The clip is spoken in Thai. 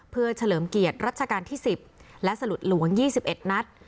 เพื่อเฉลิมเกียรติรัชการที่สิบและสลุดหลวงยี่สิบเอ็ดนัด